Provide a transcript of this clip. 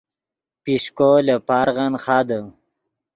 پیشکو لے پارغن خادے